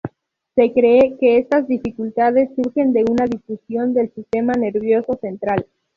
Se cree que estas dificultades surgen de una disfunción del sistema nervioso central.